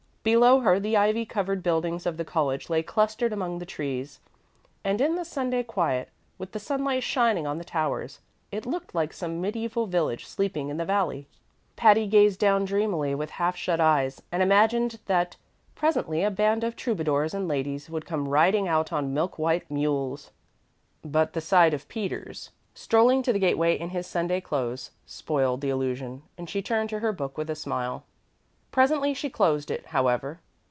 Below her the ivy covered buildings of the college lay clustered among the trees; and in the Sunday quiet, with the sunlight shining on the towers, it looked like some medieval village sleeping in the valley. Patty gazed down dreamily with half shut eyes, and imagined that presently a band of troubadours and ladies would come riding out on milk white mules. But the sight of Peters, strolling to the gateway in his Sunday clothes, spoiled the illusion, and she turned to her book with a smile. Presently she closed it, however.